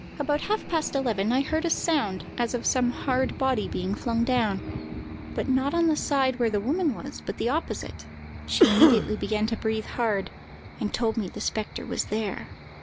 About half past eleven I heard a sound as of some hard body being flung down, but not on the side where the woman was, but the opposite; she immediately began to breathe hard, and told me the spectre was there.